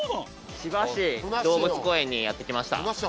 千葉市動物公園にやって来ました。